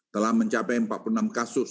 telah mencapai empat puluh enam kasus